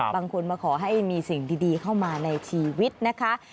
บางคนมาขอให้มีสิ่งดีเข้ามาในชีวิตนะคะ